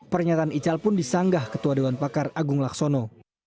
pernyataan ical pun disanggah ketua dewan pakar agung laksono